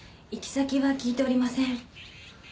行き先は聞いておりません。